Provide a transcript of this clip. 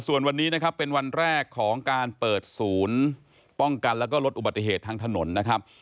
ส่วนวันนี้นะครับเป็นวันแรกของการเปิดศูนย์ป้องกันแล้วก็ลดอุบัติเหตุทางถนนนะครับ